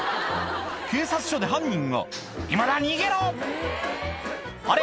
警察署で犯人が「今だ逃げろ！」「あれ？